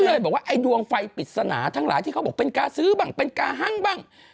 ก็เลยบอกว่าไอ้ดวงไฟปริศนาทั้งหลายที่เขาบอกเป็นกาซื้อบ้างเป็นกาหั้งบ้าง